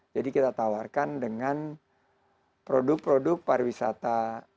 jadi kita tawarkan dengan produk produk pariwisata